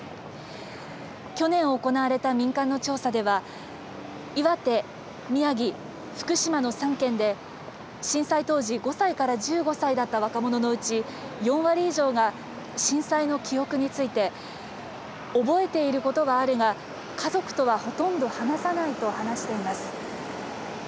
去年行われた民間の調査では岩手・宮城・福島の３県で震災当時５歳１５歳だった若者のうち４割以上が、震災の記憶について覚えていることはあるが家族とはほとんど話さないと話しています。